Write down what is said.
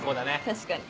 確かに。